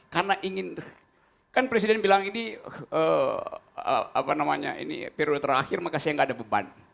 karena ingin kan presiden bilang ini periode terakhir maka saya gak ada beban